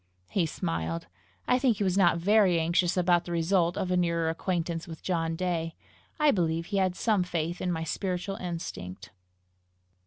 He smiled. I think he was not very anxious about the result of a nearer acquaintance with John Day. I believe he had some faith in my spiritual instinct.